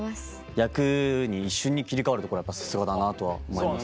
役に一瞬に切り替わるところはやっぱさすがだなとは思います。